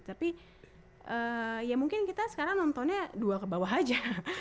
tapi ya mungkin kita sekarang nontonnya dua kebawah aja